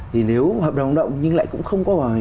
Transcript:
thì nếu hợp đồng lao động nhưng lại cũng không có